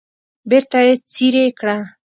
بیرته یې څیرې کړه.